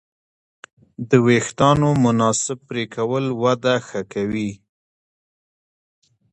د وېښتیانو مناسب پرېکول وده ښه کوي.